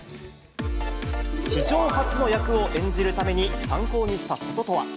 史上初の役を演じるために参考にしたこととは。